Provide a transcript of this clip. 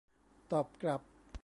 ตอบกลับ